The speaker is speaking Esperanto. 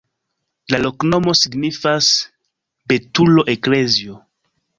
La loknomo signifas: betulo-eklezio.